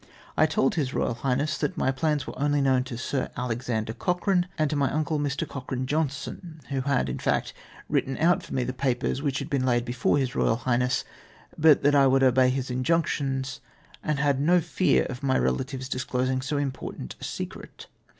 I told His Eoyal Highness that my plans were only known to Sir Alexander Cochrane, and to my uncle, Mr. Cochrane Johnstone, who had, in fact written out for me the papers which had been laid before His Eoyal Highness, but that I would obey his inj mictions, and had no fear of m^^ i elatives disclosing so important a secret.